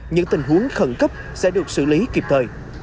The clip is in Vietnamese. những tình huống khẩn cấp sẽ được xử lý kịp thời